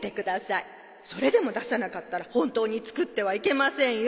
それでも出さなかったら本当に作ってはいけませんよ。